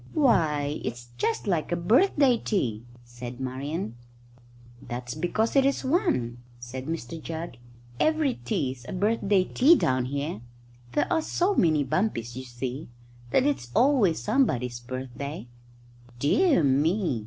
"Why, it's just like a birthday tea!" said Marian. "That's because it is one," said Mr Jugg. "Every tea's a birthday tea down here. There are so many bumpies, you see, that it's always somebody's birthday." "Dear me!"